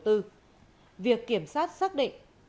từ hai năm trăm bảy mươi bốn nhà đầu tư